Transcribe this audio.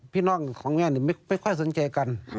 พี่น้องของแม่ไม่ค่อยสนใจกัน